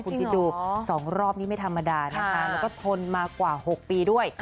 คุณคิดดู๒รอบนี้ไม่ธรรมดานะคะแล้วก็ทนมากว่า๖ปีด้วย